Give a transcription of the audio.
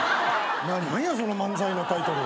何やその漫才のタイトル。